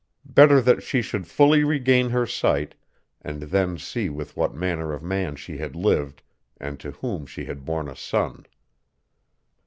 Better that she should fully regain her sight, and then see with what manner of man she had lived and to whom she had borne a son.